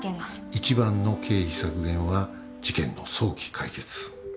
一番の経費削減は事件の早期解決。